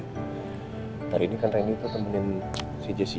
tadi ini kan rendy tuh temenin si jessica